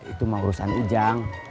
itu mau urusan ijang